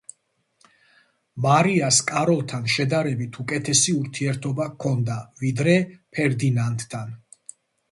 მარიას კაროლთან შედარებით უკეთესი ურთიერთობა ჰქონდა, ვიდრე ფერდინანდთან.